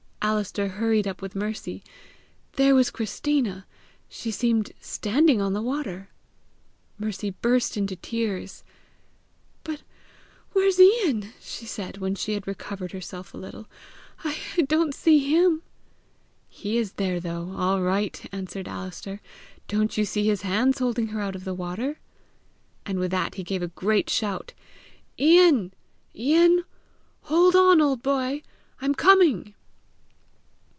Alister hurried up with Mercy. There was Christina! She seemed standing on the water! Mercy burst into tears. "But where's Ian?" she said, when she had recovered herself a little; "I don't see him!" "He is there though, all right!" answered Alister. "Don't you see his hands holding her out of the water?" And with that he gave a great shout: "Ian! Ian! hold on, old boy! I'm coming!"